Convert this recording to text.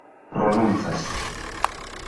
prononcas